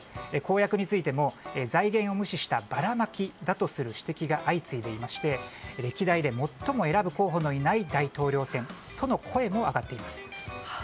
公約についても財源を無視したばらまきだとする指摘が相次いでいまして歴代で最も選ぶ候補のいない大統領選との声も上がっています。